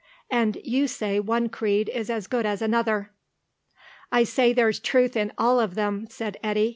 And you say one creed is as good as another." "I say there's truth in all of them," said Eddy.